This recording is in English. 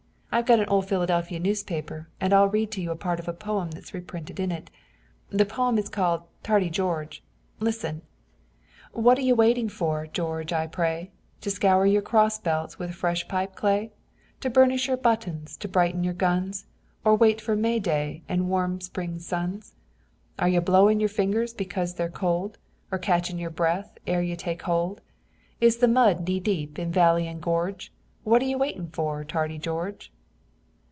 I've got an old Philadelphia newspaper and I'll read to you part of a poem that's reprinted in it. The poem is called 'Tardy George.' Listen: "What are you waiting for, George, I pray? To scour your cross belts with fresh pipe clay? To burnish your buttons, to brighten your guns? Or wait for May day, and warm spring suns? Are you blowing your fingers because they're cold, Or catching your breath ere you take a hold? Is the mud knee deep in valley and gorge? What are you waiting for, Tardy George?"